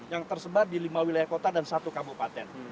yang tersebar di lima wilayah kota dan satu kabupaten